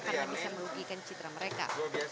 karena bisa merugikan citra mereka